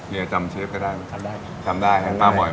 เจ้าจำเชฟก็ได้ทำได้มาบ่อยป่ะ